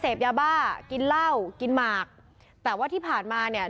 เสพยาบ้ากินเหล้ากินหมากแต่ว่าที่ผ่านมาเนี่ย